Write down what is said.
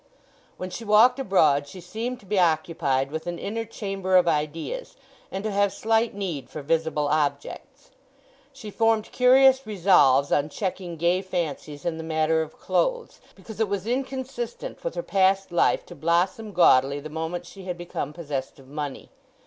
When she walked abroad she seemed to be occupied with an inner chamber of ideas, and to have slight need for visible objects. She formed curious resolves on checking gay fancies in the matter of clothes, because it was inconsistent with her past life to blossom gaudily the moment she had become possessed of money.